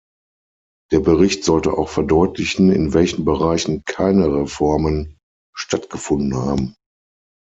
Der Bericht sollte auch verdeutlichen, in welchen Bereichen keine Reformen stattgefunden haben.